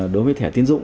đối với thẻ tiến dụng